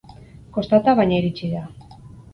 Kostata, baina iritsi da.